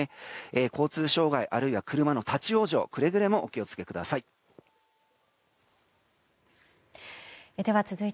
交通障害、車の立ち往生にくれぐれもお気を付けください。